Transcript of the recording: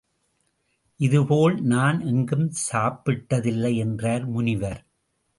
இதுபோல் நான் எங்கும் சாப்பிட்டதில்லை என்றார் முனிவர்.